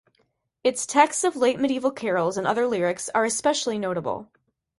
Its texts of late medieval carols and other lyrics are especially notable.